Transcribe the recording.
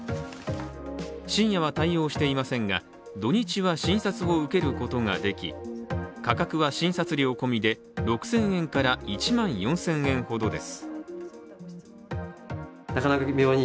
深夜は対応していませんが、土日は診察を受けることができ、価格は診察料込みで６０００円から１万４０００円ほどです。